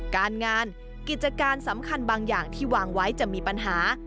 การงานกิจการสำคัญบางอย่างที่วางไว้จะมีปัญหา